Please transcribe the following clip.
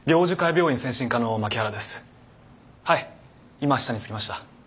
今下に着きました。